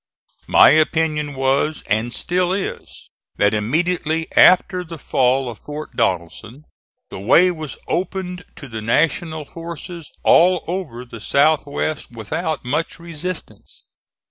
My opinion was and still is that immediately after the fall of Fort Donelson the way was opened to the National forces all over the South west without much resistance.